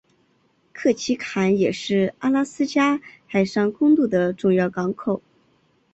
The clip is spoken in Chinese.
克奇坎也是阿拉斯加海上公路的重要港口。